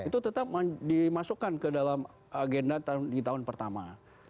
itu tetap dimasukkan ke dalam agenda di tahun pertama